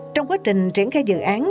trong quá trình triển khai dự án